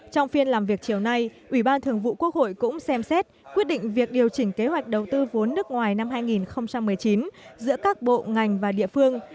trong phiên làm việc chiều nay ủy ban thường vụ quốc hội cũng xem xét quyết định việc điều chỉnh kế hoạch đầu tư vốn nước ngoài năm hai nghìn một mươi chín giữa các bộ ngành và địa phương